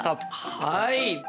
はい！